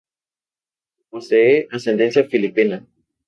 Posee ascendencia filipina.